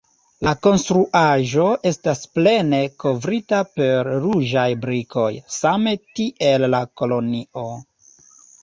La konstruaĵo estas plene kovrita per ruĝaj brikoj, same tiel la kolonio.